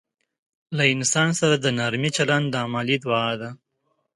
له انسان سره د نرمي چلند عملي دعا ده.